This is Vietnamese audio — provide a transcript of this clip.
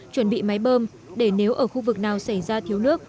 chuẩn bị máy bơm để nếu ở khu vực nào xảy ra thiếu nước